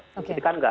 jadi kan enggak